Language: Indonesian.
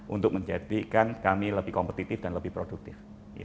untuk menjadikan kami lebih kompetitif dan lebih produktif